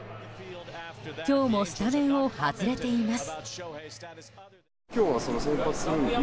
今日もスタメンを外れています。